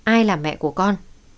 ai là mẹ của con